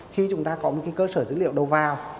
khi chúng ta có một cái cơ sở dữ liệu đầu vào